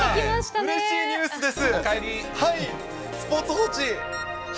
うれしいニュースです。